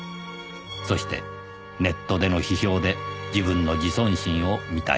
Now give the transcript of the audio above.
そしてネットでの批評で自分の自尊心を満たした